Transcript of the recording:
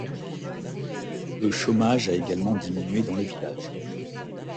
Le chômage a également diminué dans le village.